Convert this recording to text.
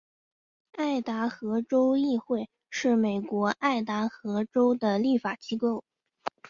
爱达荷州议会是美国爱达荷州的立法机构。